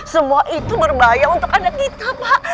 semua itu berbahaya untuk anak kita pak